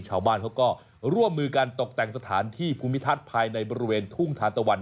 ชาวบ้านเขาก็ร่วมมือกันตกแต่งสถานที่ภูมิทัศน์ภายในบริเวณทุ่งทานตะวัน